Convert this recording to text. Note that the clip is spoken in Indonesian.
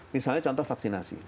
misalnya contoh vaksinasi